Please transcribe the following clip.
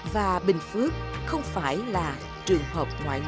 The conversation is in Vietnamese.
và bình phước không phải là trường hợp ngoại lệ